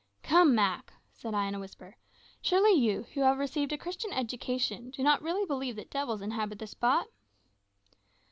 "Come, Mak," said I in a whisper, "surely you, who have received a Christian education, do not really believe that devils inhabit this spot?"